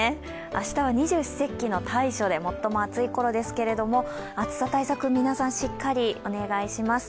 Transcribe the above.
明日は二十四節気の大暑で最も暑いころですけれども暑さ対策、皆さんしっかりお願いします。